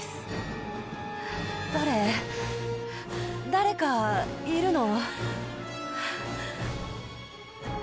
誰かいるの？